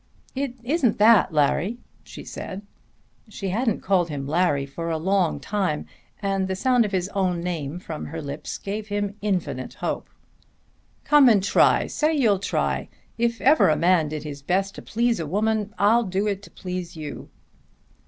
"It isn't that, Larry," she said. She hadn't called him Larry for a long time and the sound of his own name from her lips gave him infinite hope. "Come and try. Say you'll try. If ever a man did his best to please a woman I'll do it to please you."